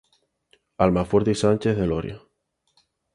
Almafuerte y Sánchez de Loria.